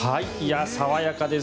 爽やかです。